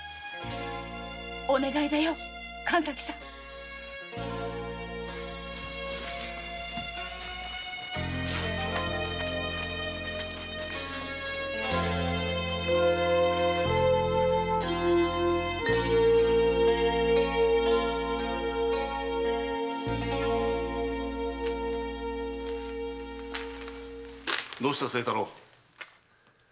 お願いだよ神崎さん。どうした清太郎？